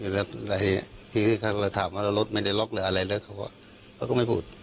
แล้วคือถ้าเราถามว่าแล้วรถไม่ได้ล็อกหรืออะไรแล้วเขาก็ไม่พูด